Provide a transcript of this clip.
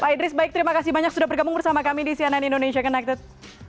pak idris baik terima kasih banyak sudah bergabung bersama kami di cnn indonesia connected